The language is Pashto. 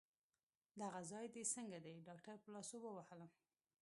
دغه ځای دي څنګه دی؟ ډاکټر په لاسو ووهلم.